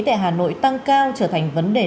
tại hà nội tăng cao trở thành vấn đề